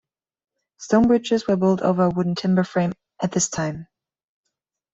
Stone bridges were built over a wooden timber frame at this time.